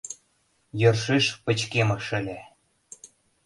Йӧршеш пычкемыш ыле.